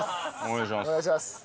お願いします。